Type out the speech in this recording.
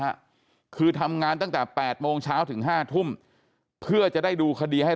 ฮะคือทำงานตั้งแต่๘โมงเช้าถึงห้าทุ่มเพื่อจะได้ดูคดีให้